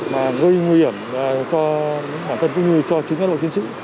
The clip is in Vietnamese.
và gây nguy hiểm cho bản thân cũng như cho chính các đội chiến sĩ